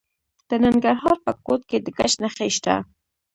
د ننګرهار په کوټ کې د ګچ نښې شته.